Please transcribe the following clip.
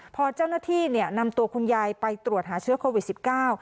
พอเจ้าหน้าที่เนี่ยนำตัวคุณยายไปตรวจหาเชื้อโควิดสิบเก้า